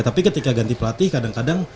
tapi ketika ganti pelatih kadang kadang